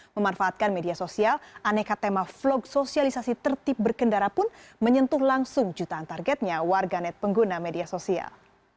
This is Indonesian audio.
memanfaatkan media sosial aneka tema vlog sosialisasi tertib berkendara pun menyentuh langsung jutaan targetnya warganet pengguna media sosial